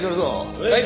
はい。